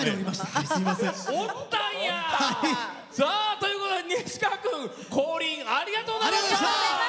ということで西川君降臨ありがとうございました！